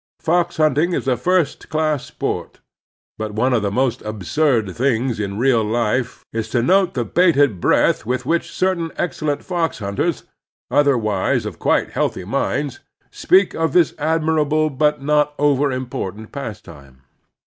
Fox iS2 The Strenuous Life htinting is a first class sport ; but one of the most abstird things in real life is to note the bated breath with which certain excellent fox hunters, other wise of quite healthy minds, speak of this admir able but not over important pastime.